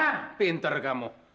hah pinter kamu